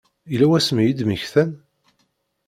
Yella wasmi i d-mmektan?